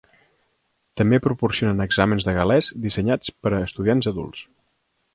També proporcionen exàmens de gal·lès dissenyats per a estudiants adults.